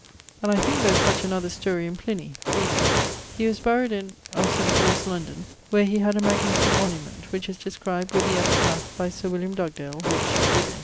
And I thinke there is such another story in Pliny: vide. He was buried in ... of St. Paule's, London, where he had a magnificent monument, which is described, with the epitaph, by Sir William Dugdale, which vide.